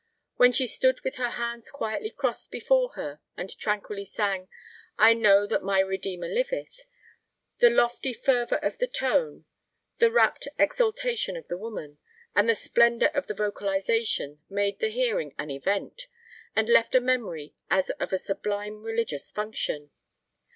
When she stood with her hands quietly crossed before her and tranquilly sang "I know that my Redeemer liveth," the lofty fervor of the tone, the rapt exaltation of the woman, with the splendor of the vocalization, made the hearing an event, and left a memory as of a sublime religious function.